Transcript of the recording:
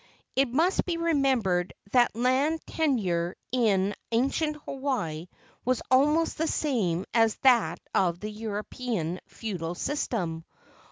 It must be remembered that land tenure in ancient Hawaii was almost the same as that of the European feudal system.